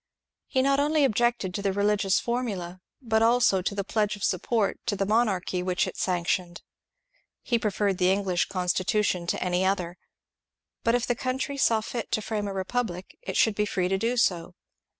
He not only objected to the religious formula, but also to the pledge of support to the monarchy which it sanctioned. He preferred the English Constitution to any otiier, but if the country saw fit to frame a republic it should be free to do so.